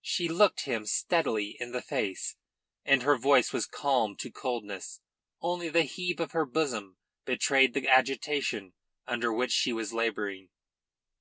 She looked him steadily in the face, and her voice was calm to coldness. Only the heave of her bosom betrayed the agitation under which she was labouring.